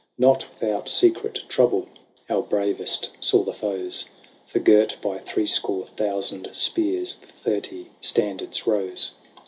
Not without secret trouble Our bravest saw the foes ; For girt by threescore thousand spears. The thirty standards rose.